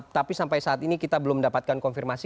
tapi sampai saat ini kita belum mendapatkan konfirmasi